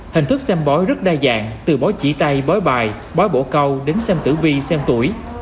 hình thức xem bói rất đa dạng từ bói chỉ tay bói bài bói bổ câu đến xem tử vi xem tuổi